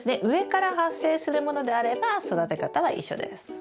上から発生するものであれば育て方は一緒です。